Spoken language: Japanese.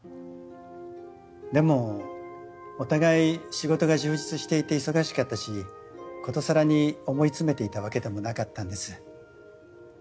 でもお互い仕事が充実していて忙しかったしことさらに思い詰めていたわけでもなかったんです。